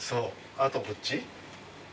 あとこっち。